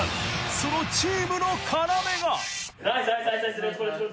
そのチームの要が！